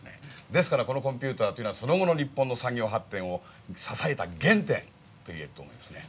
ですからこのコンピューターというのはその後の日本の産業発展を支えた原点と言えると思いますね。